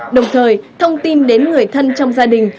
đồng thời thông tin đến người thân trong gia đình